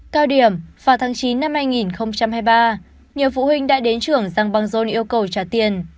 cao điểm vào tháng chín năm hai nghìn hai mươi ba nhiều phụ huynh đã đến trưởng rằng băng rôn yêu cầu trả tiền